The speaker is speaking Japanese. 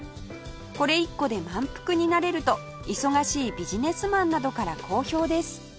これ１個で満腹になれると忙しいビジネスマンなどから好評です